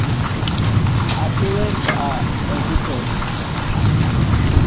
Her parent are editors.